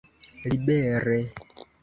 libere